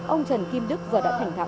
ông trần kim đức giờ đã thành thạo